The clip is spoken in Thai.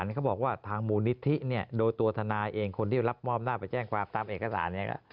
เขาบอกว่าทางมูลนิธิเนี่ยโดยตัวทนายเองคนที่รับมอบหน้าไปแจ้งความตามเอกสารเนี่ยก็